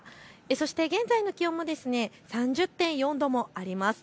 そして現在の気温も３０．４度もあります。